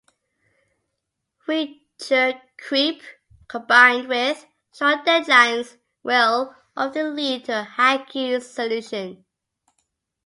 Feature creep combined with short deadlines will often lead to a "hacky solution".